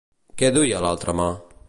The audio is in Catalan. Què duia a l'altra mà?